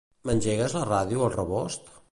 M'engegues la ràdio al rebost?